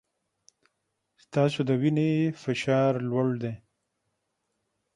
ستاسو د وینې فشار لوړ دی.